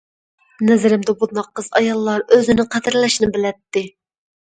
نەزىرىمدە بۇنداق قىز- ئاياللار ئۆزىنى قەدىرلەشنى بىلەتتى.